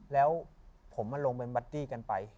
แล้วผมมาลงไปบัดดี้กันไป